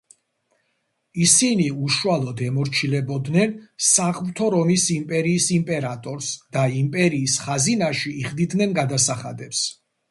ისინი უშუალოდ ემორჩილებოდნენ საღვთო რომის იმპერიის იმპერატორს და იმპერიის ხაზინაში იხდიდნენ გადასახადებს.